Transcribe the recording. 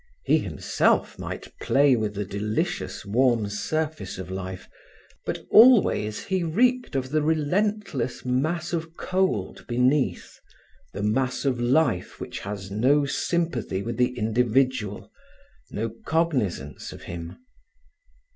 He himself might play with the delicious warm surface of life, but always he reeked of the relentless mass of cold beneath—the mass of life which has no sympathy with the individual, no cognizance of him.